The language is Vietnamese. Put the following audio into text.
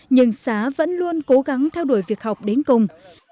nhưng xá vẫn luôn cố gắng theo đuổi việc học đến cùng